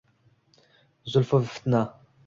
Zulmu fitna